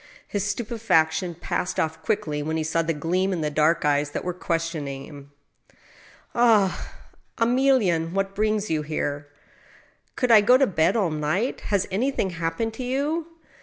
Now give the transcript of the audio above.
His stupefaction passed off quickly when he saw the gleam in the dark eyes that were ques tioning him. Ah ! Emilienne, what brings you here ?"Could I go to bed all night ?... Has anything happened to you?"